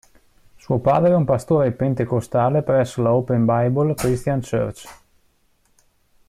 Suo padre è un pastore pentecostale presso la Open Bible Christian Church.